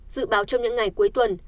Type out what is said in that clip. dự báo trong những ngày cuối tuần